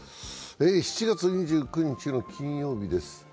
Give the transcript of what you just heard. ７月２９日の金曜日です。